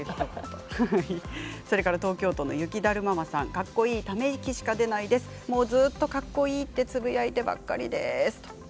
それから東京都の方かっこいい、ため息しか出ないもうずっと、かっこいいとつぶやいてばかりです。